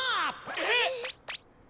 えっ？